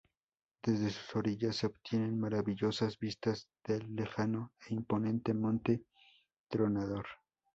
Desde sus orillas se obtienen maravillosas vistas del lejano e imponente Monte Tronador.